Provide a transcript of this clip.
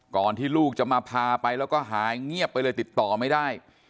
ที่ลูกจะมาพาไปแล้วก็หายเงียบไปเลยติดต่อไม่ได้